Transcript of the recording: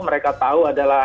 mereka tahu adalah